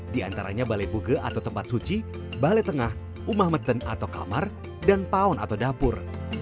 di antaranya balai buge atau tempat suci balai tengah umah meten atau kamar dan paun atau dapur